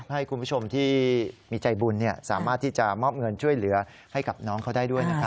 ให้คุณผู้ชมที่มีใจบุญสามารถที่จะมอบเงินช่วยเหลือให้กับน้องเขาได้ด้วยนะครับ